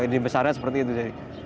ide besarnya seperti itu jadi